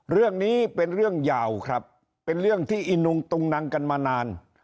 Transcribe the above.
เรื่องนี้เป็นเรื่องยาวครับเป็นเรื่องที่อินุงตุงนังกันมานาน